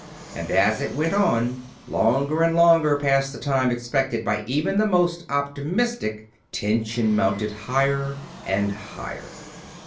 And as it went on, longer and longer past the time expected by even the most optimistic, tension mounted higher and higher.